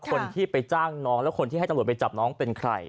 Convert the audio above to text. คนที่ไปจ้างน้องแล้วคนที่ให้ตำรวจไปจับน้องเป็นใคร